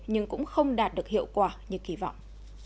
nhưng cũng không đạt được hiệu quả như kỳ vọng